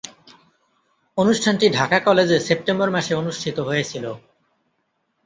অনুষ্ঠানটি ঢাকা কলেজে সেপ্টেম্বর মাসে অনুষ্ঠিত হয়েছিলো।